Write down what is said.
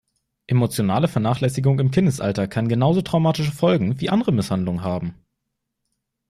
Emotionale Vernachlässigung im Kindesalter kann genauso traumatische Folgen wie andere Misshandlungen haben.